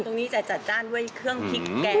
ตรงนี้จะจัดจ้านด้วยเครื่องพริกแกง